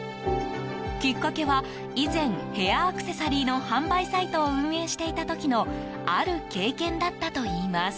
きっかけは、以前ヘアアクセサリーの販売サイトを運営していた時のある経験だったといいます。